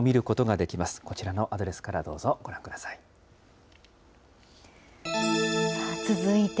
こちらのアドレスからどうぞご覧ください。